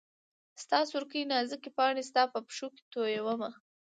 ستا سورکۍ نازکي پاڼي ستا په پښو کي تویومه